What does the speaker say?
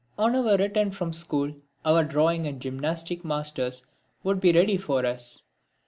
On our return from school our drawing and gymnastic masters would be ready for us.